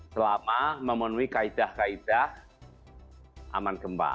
selama memenuhi kaedah kaedah aman gempa